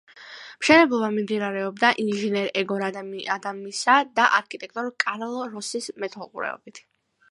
მშენებლობა მიმდინარეობდა ინჟინერ ეგორ ადამისა და არქიტექტორ კარლ როსის მეთვალყურეობით.